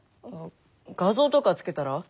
画像とか付けたら？